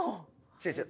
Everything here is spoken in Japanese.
違う違う。